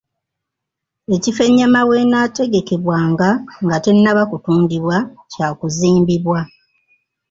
Ekifo ennyama weenaategekebwanga nga tennaba kutundibwa kyakuzimbibwa.